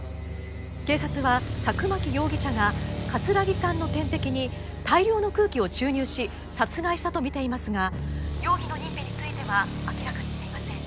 警察は佐久巻容疑者が木さんの点滴に大量の空気を注入し殺害したとみていますが容疑の認否については明らかにしていません。